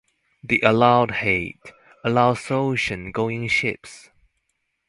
The allowed height allows ocean going ships.